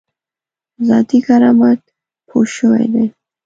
ذاتي کرامت پوه شوی دی.